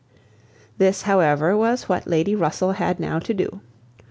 This however was what Lady Russell had now to do.